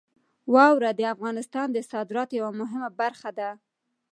واوره د افغانستان د صادراتو یوه مهمه برخه ده.